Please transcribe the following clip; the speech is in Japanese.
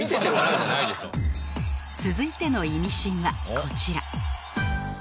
続いてのイミシンはこちら